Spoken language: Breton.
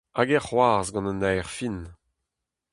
Hag e c'hoarzh gant un aer fin.